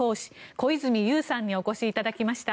小泉悠さんにお越しいただきました。